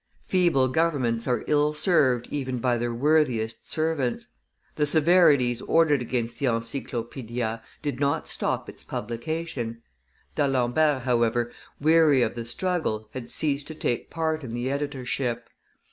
Feeble governments are ill served even by their worthiest servants; the severities ordered against the Encyclopaedia did not stop its publication; D'Alembert, however, weary of the struggle, had ceased to take part in the editorship.